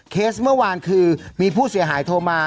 เมื่อวานคือมีผู้เสียหายโทรมา